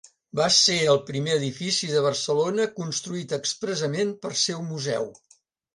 Va ser el primer edifici de Barcelona construït expressament per ser un museu.